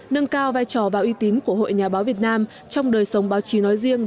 nâng cao vai trò và uy tín của hội nhà báo việt nam trong đời sống báo chí nói riêng